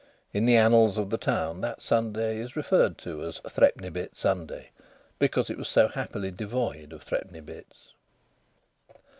In the annals of the town that Sunday is referred to as "Threepenny bit Sunday," because it was so happily devoid of threepenny bits.